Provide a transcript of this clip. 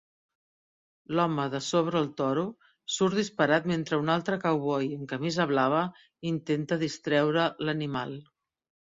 L'home de sobre el toro surt disparat mentre un altre cowboy amb camisa blava intenta distreure l'animal